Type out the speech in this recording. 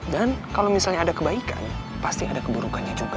dan kalo misalnya ada kebaikan pasti ada keburukannya juga